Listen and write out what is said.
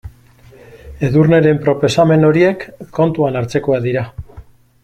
Edurneren proposamen horiek kontuan hartzekoak dira.